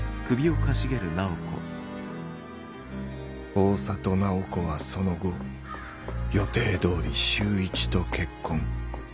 大郷楠宝子はその後予定どおり修一と結婚。